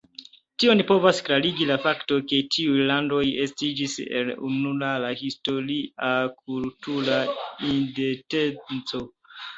Tion povas klarigi la fakto, ke tiuj landoj estiĝis el ununura historia kultura identeco.